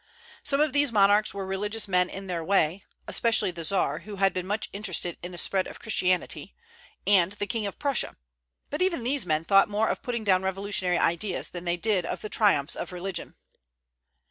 Some of these monarchs were religious men in their way, especially the Czar, who had been much interested in the spread of Christianity, and the king of Prussia; but even these men thought more of putting down revolutionary ideas than they did of the triumphs of religion.